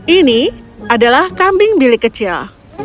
ini adalah kambing bilik kecil